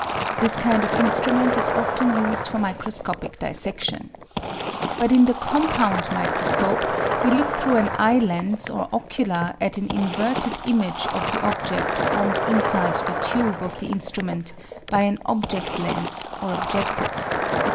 This kind of instrument is often used for microscopic dissection. But in the "compound" microscope we look through an eye lens or ocular at an inverted image of the object formed inside the tube of the instrument by an object lens or objective.